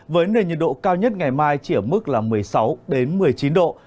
với nền nhiệt độ cao nhất ngày mai chỉ ở mức một mươi sáu một mươi chín độ